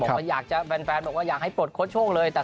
บอกว่าอยากจะแฟนแฟนบอกว่าอยากให้ปลดโค้ดโชคเลยแต่